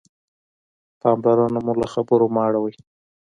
پاملرنه مو له خبرو مه اړوئ.